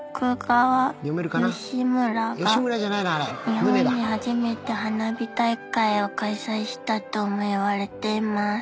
［日本で初めて花火大会を開催したとも言われています］